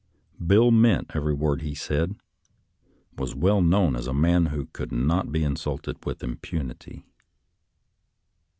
Bill meant every word he said, and was well known as a man who could not be insulted with impunity.